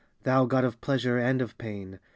Thou god of pleasure and of pain !